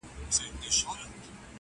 حرص او تمي وو تر دامه راوستلی -